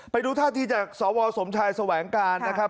ไปดูท่าทีจากสวสมชายแสวงการนะครับ